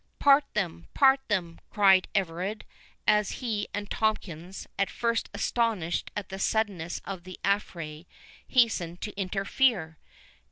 "Part them, part them!" cried Everard, as he and Tomkins, at first astonished at the suddenness of the affray, hastened to interfere.